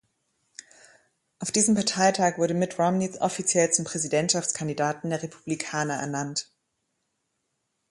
Auf diesem Parteitag wurde Mitt Romney offiziell zum Präsidentschaftskandidaten der Republikaner ernannt.